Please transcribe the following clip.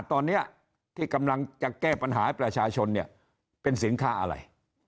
ตอนนี้ที่กำลังจะแก้ปัญหาให้ประชาชนเนี่ยเป็นสินค้าอะไร